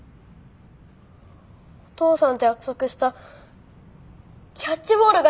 お父さんと約束したキャッチボールがしたい！